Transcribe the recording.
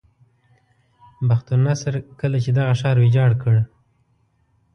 بخت نصر کله چې دغه ښار ویجاړ کړ.